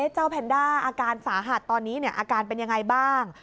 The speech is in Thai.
แพนด้าอาการสาหัสตอนนี้อาการเป็นยังไงบ้าง